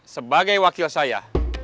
sebagai wakil saya